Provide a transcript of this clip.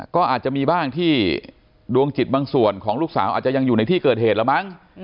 ก็อาจจะมีบ้างที่ดวงจิตบางส่วนของลูกสาวอาจจะยังอยู่ในที่เกิดเหตุแล้วมั้ง